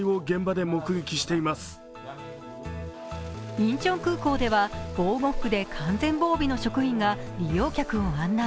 インチョン空港では防護服で完全防備の職員が利用客を案内。